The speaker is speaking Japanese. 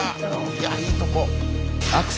いやいいとこ。